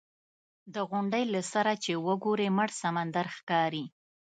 د غونډۍ له سره چې وګورې مړ سمندر ښکاري.